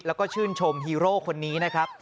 แล้วก็ชื่นชมฮีโร่คนนี้นะครับ